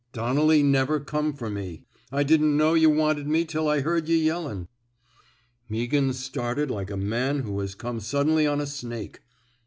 Don nelly never come fer me. I didn't know yuh wanted me till I heard yuh yellin'." Meaghan started like a man who has come suddenly on a snake.